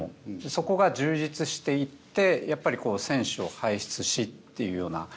そこが充実していて選手を輩出しっていうような。